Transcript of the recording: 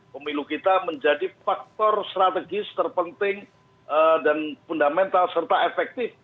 pemilu kita menjadi faktor strategis terpenting dan fundamental serta efektif